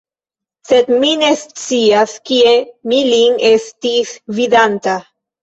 Sed mi ne scias, kie mi lin estis vidanta.